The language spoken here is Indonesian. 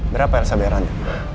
berapa elsa bayar anda